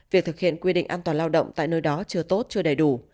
việc thực hiện quy định an toàn lao động tại nơi đó chưa tốt chưa đầy đủ